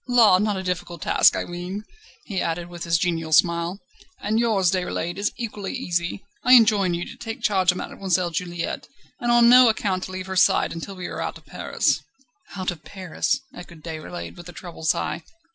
La! not a difficult task, I ween," he added, with his genial smile; "and yours, Déroulède, is equally easy. I enjoin you to take charge of Mademoiselle Juliette, and on no account to leave her side until we are out of Paris." "Out of Paris!" echoed Déroulède, with a troubled sigh.